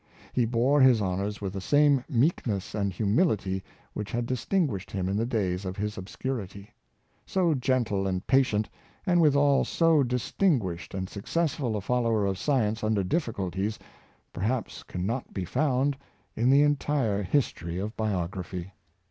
He bore liis honors with the same meekness and humility which had distinguished him in the days of his obscurity. So gentle and patient, and withal so distinguished and suc cessful a follower of science under difficulties, perhaps can not be found in the entire history of biography.